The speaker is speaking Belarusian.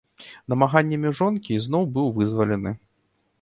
Намаганнямі жонкі ізноў быў вызвалены.